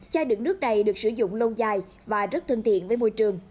chai đựng nước này được sử dụng lâu dài và rất thân thiện với môi trường